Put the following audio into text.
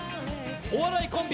お笑いコンビ